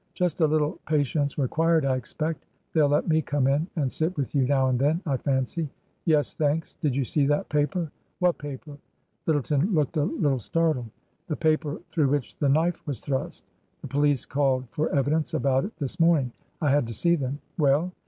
" Just a little patience required, I expect. They'll let me come in and sit with you now and then, I fancy." " Yes, thanks. Did you see that paper ?"'* What paper ?" Lyttleton looked a little startled. *' The paper through which the knife was thrust. The police called for evidence about it this morning. I had to see them." " Well